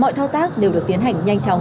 mọi thao tác đều được tiến hành nhanh chóng